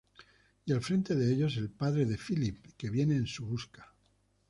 Y al frente de ellos, el padre de Phillip, que viene en su busca.